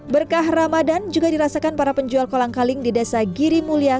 berkah ramadan juga dirasakan para penjual kolang kaling di desa giri mulia